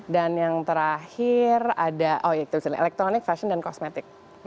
dan yang terakhir ada oh iya itu disini elektronik fashion dan kosmetik